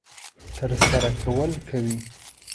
ترسره کول کوي.